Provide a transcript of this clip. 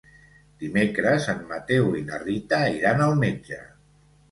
Dimecres en Mateu i na Rita iran al metge.